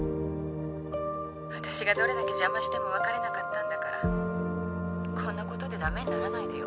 私がどれだけ邪魔しても別れなかったんだからこんなことでダメにならないでよ。